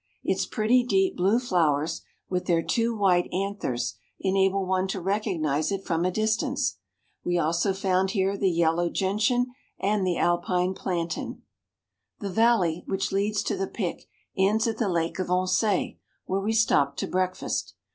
Its pretty deep blue flowers, with their two white anthers, enable one to recognise it from a distance. We also found here the yellow gentian and the Alpine plantain. The valley which leads to the Pic ends at the Lake of Oncet, where we stopped to breakfast.